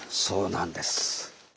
そうなんです。